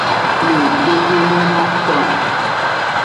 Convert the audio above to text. Le dodome no kplon.